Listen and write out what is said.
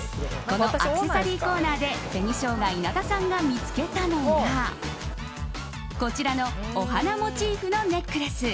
このアクセサリーコーナーで紅しょうが稲田さんが見つけたのがこちらのお花モチーフのネックレス。